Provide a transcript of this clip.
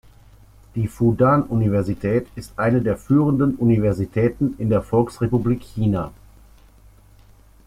Die Fudan-Universität ist eine der führenden Universitäten in der Volksrepublik China.